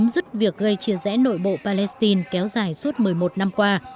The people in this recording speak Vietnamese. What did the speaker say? dứt việc gây chia rẽ nội bộ palestine kéo dài suốt một mươi một năm qua